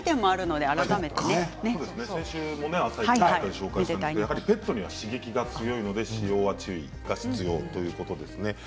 先週も「あさイチ」で紹介しましたがペットには刺激が強いので使用には注意が必要ということです。